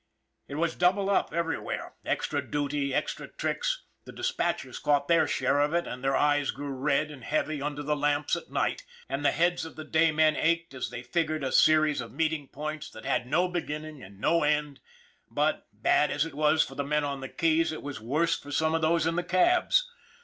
It was double up everywhere, extra duty, extra tricks. The dispatchers caught their share of it and their eyes grew red and heavy under the lamps at night, and the heads of the day men ached as they figured a series of meeting points that had no beginning and no end ; but, bad as it was for the men on the keys, it was worse for some of those in the cabs.